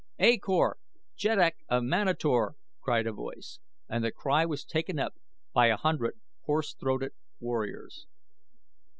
"A Kor, jeddak of Manator!" cried a voice, and the cry was taken up by a hundred hoarse throated warriors.